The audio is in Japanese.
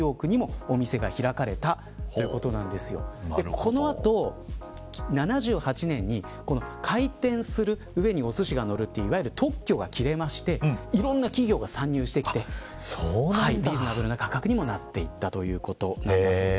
この後、７８年に回転する上におすしがのるといういわゆる特許が切れましていろんな企業が参入してきてリーズナブルな価格にもなっていったということなんだそうです。